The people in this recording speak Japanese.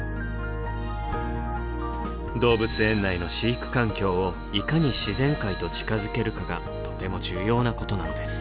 動物園内の飼育環境をいかに自然界と近づけるかがとても重要なことなのです。